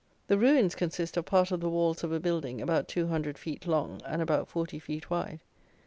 The ruins consist of part of the walls of a building about 200 feet long and about 40 feet wide.